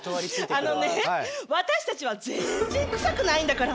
あのね私たちは全然臭くないんだから。